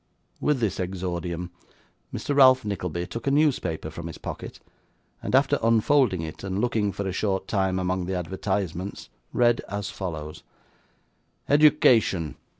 With this exordium, Mr. Ralph Nickleby took a newspaper from his pocket, and after unfolding it, and looking for a short time among the advertisements, read as follows: '"EDUCATION.